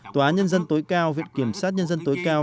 tòa án nhân dân tối cao viện kiểm sát nhân dân tối cao